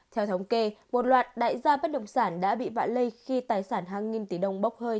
theo thống kê một loạt đại gia bất động sản đã bị vạ lây khi tài sản hàng nghìn tỷ đồng bốc hơi